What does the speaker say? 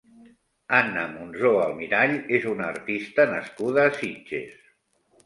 Anna Monzó Almirall és una artista nascuda a Sitges.